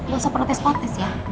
gak usah protes patis ya